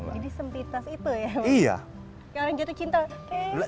kalau jatuh cinta